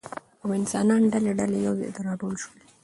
او انسانان ډله ډله يو ځاى ته راټول شول